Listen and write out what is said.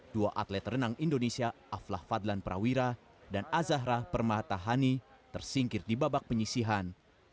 dua atlet renang indonesia aflah fadlan prawira dan azahra permatahani tersingkir di babak penyisihan